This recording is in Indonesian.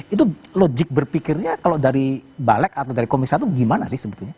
itu logik berpikirnya kalau dari balik atau dari komisi satu gimana sih sebetulnya